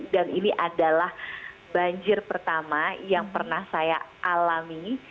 dan ini adalah banjir pertama yang pernah saya alamin